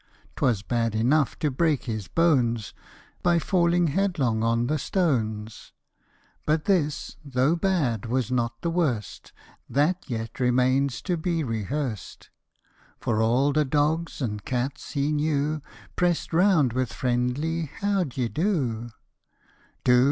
'Twas bad enough to break his bones, By falling headlong on the stones ; But this, though bad, was not the worst That yet remains to be rehearsed ; For all the dogs and cats he knew Press'd round with friendly " how d'ye do ?'" Do